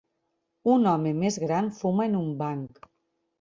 Un home més gran fuma en un banc.